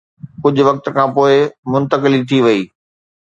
ڪجهه وقت کان پوءِ منتقلي ٿي وئي.